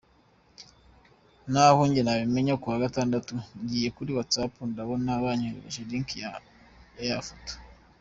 naho njye nabimenye kuwa Gatandatu ngiye kuri Whatsapp nkabona banyoherereje link ya ya Foto.